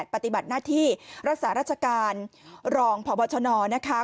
ปฏิบัติหน้าที่รักษาราชการรองพบชนนะคะ